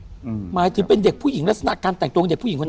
หมายถึงเป็นเด็กผู้หญิงลักษณะการแต่งตัวของเด็กผู้หญิงคนนี้